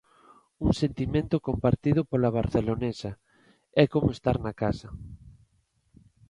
Un sentimento compartido pola barcelonesa: "É como estar na casa".